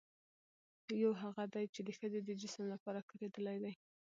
يوهغه دي، چې د ښځې د جسم لپاره کارېدلي دي